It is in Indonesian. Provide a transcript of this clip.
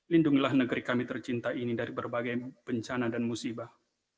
lindungilah negeri kami tercinta ini dari berbagai bencana dan musibah